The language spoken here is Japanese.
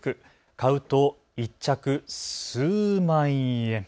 買うと１着数万円。